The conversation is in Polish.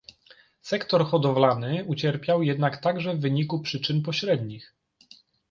Sektor hodowlany ucierpiał jednak także w wyniku przyczyn pośrednich